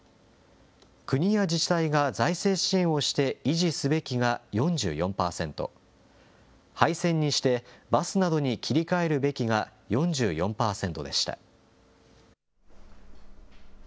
国や自治体が財政支援をして維持すべきが４４％、廃線にしてバスなどに切り替えるべきが４４％でした。